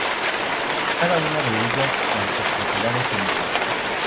Cada una de ellas con sus propiedades únicas.